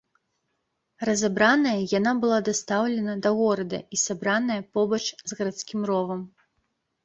Разабраная яна была дастаўлена да горада і сабраная побач з гарадскім ровам.